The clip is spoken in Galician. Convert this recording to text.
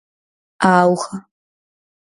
A auga.